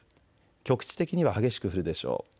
局地的には激しく降るでしょう。